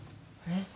え